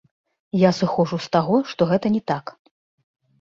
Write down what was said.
Я сыходжу з таго, што гэта не так.